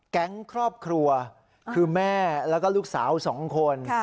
แก๊งครอบครัวคือแม่แล้วก็ลูกสาว๒คน